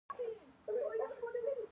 کوچي ژوند یوه لرغونې طریقه ده